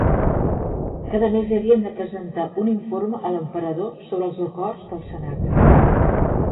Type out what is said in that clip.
Cada mes havien de presentar un informe a l'emperador sobre els acords del senat.